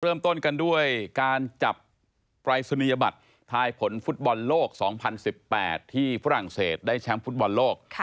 เริ่มต้นกันด้วยการจับปรายศนียบัตรทายผลฟุตบอลโลก๒๐๑๘ที่ฝรั่งเศสได้แชมป์ฟุตบอลโลก